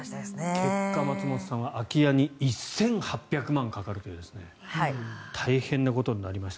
結果、松本さんは空き家に１８００万円かかるという大変なことになりました。